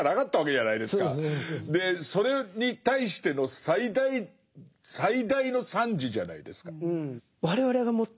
それに対しての最大最大の賛辞じゃないですか。